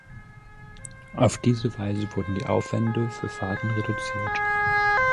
Auf diese Weise wurden die Aufwände für Fahrten reduziert.